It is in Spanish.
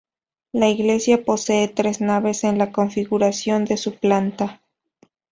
La iglesia posee tres naves en la configuración de su planta.